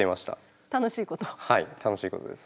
はい楽しいことです。